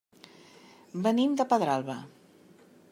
Venim de Pedralba.